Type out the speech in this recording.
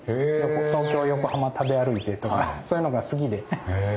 東京横浜食べ歩いてとかそういうのが好きで。